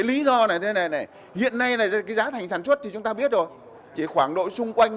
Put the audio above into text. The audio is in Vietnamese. lý do này hiện nay giá thành sản xuất thì chúng ta biết rồi khoảng độ xung quanh bốn mươi bốn mươi năm